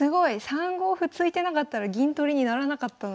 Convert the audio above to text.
３五歩突いてなかったら銀取りにならなかったのに。